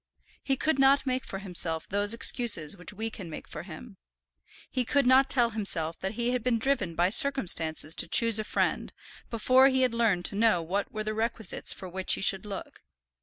He could not make for himself those excuses which we can make for him. He could not tell himself that he had been driven by circumstances to choose a friend, before he had learned to know what were the requisites for which he should look.